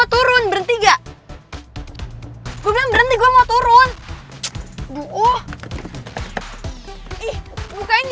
putri ngerasa keganggu gak ya